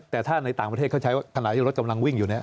แต่ถ้าในต่างประเทศเขาใช้ว่าขณะที่รถกำลังวิ่งอยู่เนี่ย